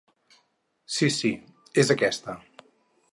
Sí sí és aquesta!